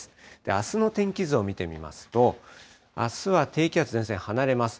あすの天気図を見てみますと、あすは低気圧、前線、離れます。